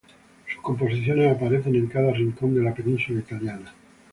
Sus composiciones aparecen en cada rincón de la península italiana.